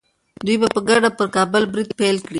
دوی به په ګډه پر کابل برید پیل کړي.